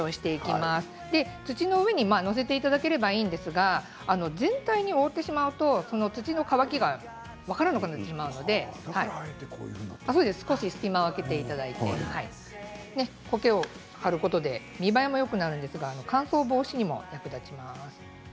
まず土の上に載せていただければいいんですが全体に覆ってしまうと土の乾きが分からなくなってしまうので少し隙間を開けていただいてこけを張ることで見栄えもよくなるんですが乾燥防止にも役立ちます。